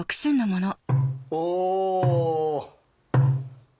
お。